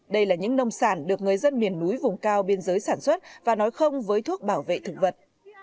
đây là những nông sản được người dân miền núi vùng cao biên giới sản xuất và nói không với thuốc bảo vệ thực vật